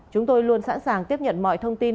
chúng tôi luôn sẵn sàng tiếp nhận mọi thông tin